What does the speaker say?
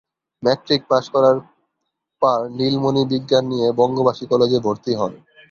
Matric পাশ করার পার নীলমণি বিজ্ঞান নিয়ে বঙ্গবাসী কলেজে ভর্তি হন।